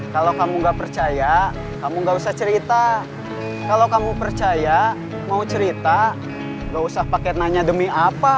kalau kamu nggak percaya kamu gak usah cerita kalau kamu percaya mau cerita gak usah pakai nanya demi apa